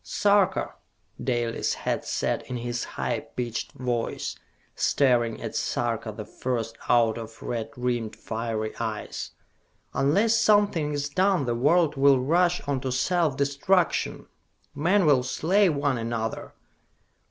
"Sarka," Dalis had said in his high pitched voice, staring at Sarka the First out of red rimmed, fiery eyes, "unless something is done the world will rush on to self destruction! Men will slay one another!